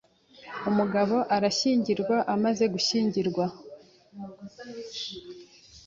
Umugabo arashyingirwa Amaze gushyingirwa